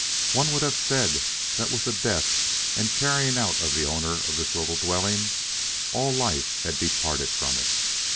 One would have said that with the death and carrying out of the owner of this little dwelling, all life had departed from it.